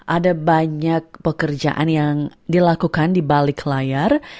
ada banyak pekerjaan yang dilakukan di balik layar